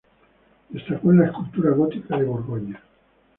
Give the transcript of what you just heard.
Destacó en la escultura gótica de Borgoña.